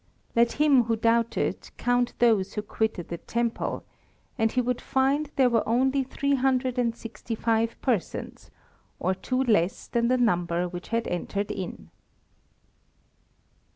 Let him who doubted count those who quitted the temple, and he would find there were only three hundred and sixty five persons, or two less than the number which had entered in.